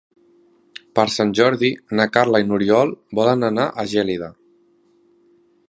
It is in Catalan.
Per Sant Jordi na Carla i n'Oriol volen anar a Gelida.